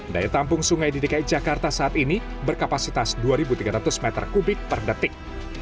daya tampung sungai di dki jakarta saat ini berkapasitas dua tiga ratus meter kubik per detik